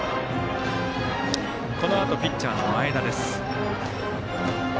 このあと、ピッチャーの前田です。